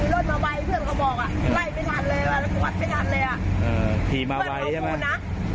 บอกว่าเขาขี่รถมาไว้แล้วว่าเขาเมานะนะ